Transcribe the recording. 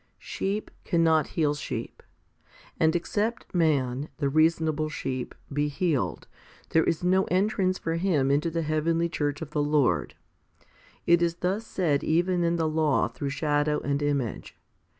Sheep cannot heal sheep. And except man, the reasonable sheep, be healed, there is no entrance for him into the heavenly church of the Lord. It is thus said even in the law through shadow and image.